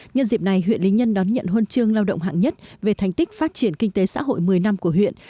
nhân dịp này huyện lý nhân đón nhận huân chương lao động hạng nhất về thành tích phát triển kinh tế xã hội một mươi năm của huyện